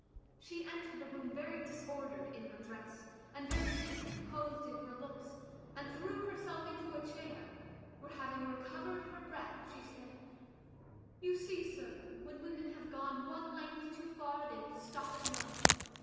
She entered the room very disordered in her dress, and very discomposed in her looks, and threw herself into a chair, where, having recovered her breath, she said "You see, sir, when women have gone one length too far, they will stop at none.